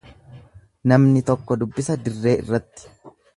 Namni tokko dubbisa dirree irratti.